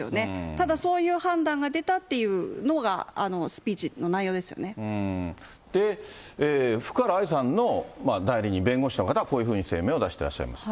ただ、そういう判断が出たっていで、福原愛さんの代理人、弁護士の方はこういうふうに声明を出してらっしゃいます。